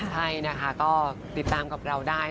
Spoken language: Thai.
ใช่นะคะก็ติดตามกับเราได้